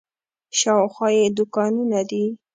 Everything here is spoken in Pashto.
شاوخوا یې دوکانونه دي.